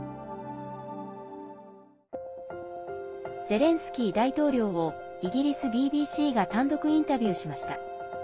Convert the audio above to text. ゼレンスキー大統領をイギリスＢＢＣが単独インタビューしました。